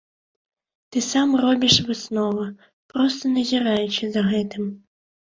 Ты сам робіш высновы, проста назіраючы за гэтым.